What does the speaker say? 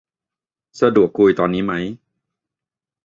สะดวกคุยตอนนี้ไหม